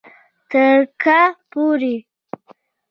تر کله پورې